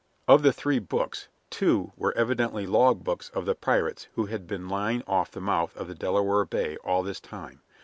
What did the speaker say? Of the three books, two were evidently log books of the pirates who had been lying off the mouth of the Delaware Bay all this time.